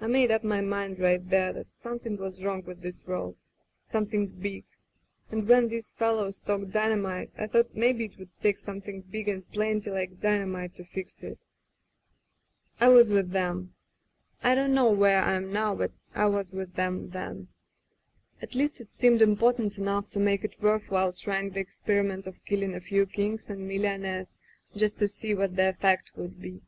I made up my mind right there that some thing was wrong with this world — ^something big, and when these fellows talked dynamite, I thought maybe it would take something big and plen^ like dynamite to fix it. I was with Digitized by LjOOQ IC Interventions them. I don't know where I am now, but I was with them then. '^At least it seemed important enough to make it worth while trying the experiment of killing a few kings and millionaires just to see what the effect would be.